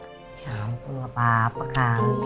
ya ampun gak apa apa kiki